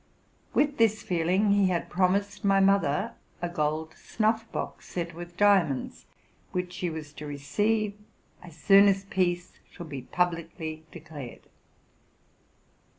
With this feeling, he had promised my mother a gold snuff box, set with diamonds, which she was to receive as soon as peace should be publicly declared.